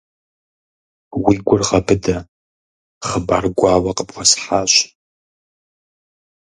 Уи гур гъэбыдэ, хъыбар гуауэ къыпхуэсхьащ.